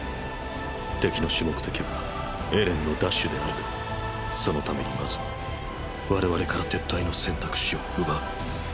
敵の主目的はエレンの奪取であるがそのためにまず我々から撤退の選択肢を奪う。